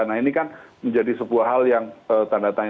nah ini kan menjadi sebuah hal yang tanda tanya